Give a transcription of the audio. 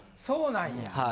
そうなんや。